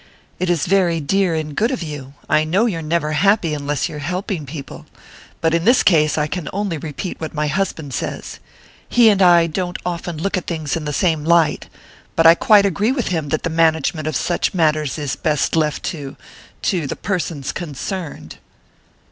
"It is very dear and good of you I know you're never happy unless you're helping people but in this case I can only repeat what my husband says. He and I don't often look at things in the same light but I quite agree with him that the management of such matters is best left to to the persons concerned."